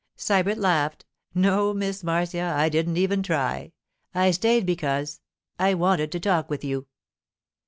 Sybert laughed. 'No, Miss Marcia; I didn't even try. I stayed because—I wanted to talk with you.